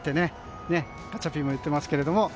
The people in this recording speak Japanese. ガチャピンも言ってますけども。